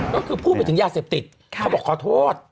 ก็คือพูดไปถึงยาเสพติดเขาบอกขอโทษ